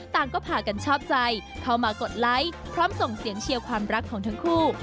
ต่างก็พากันชอบใจเข้ามากดไลค์พร้อมส่งเสียงเชียร์ความรักของทั้งคู่